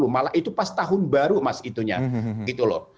malah itu pas tahun baru mas itunya gitu loh